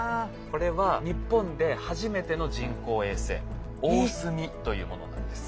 これは日本で初めての人工衛星「おおすみ」というものなんです。